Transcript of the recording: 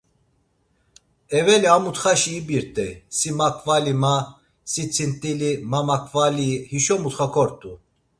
Eveli a mutxaşi ibirt̆ey: Si maǩvali ma… si tzint̆ili ma maǩvalii, hişo mutxa kort̆u!